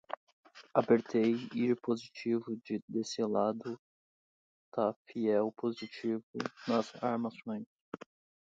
Apertei ir positivo de Decelado ta fiel positivo nas Armações